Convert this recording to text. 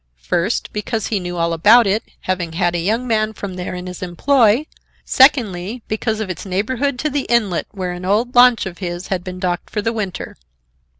First, because he knew all about it, having had a young man from there in his employ; secondly, because of its neighborhood to the inlet where an old launch of his had been docked for the winter.